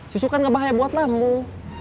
susu kan gak bahaya buat lambung